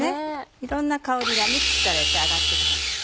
いろんな香りがミックスされて上がって来ます。